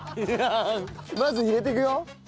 まず入れていくよ。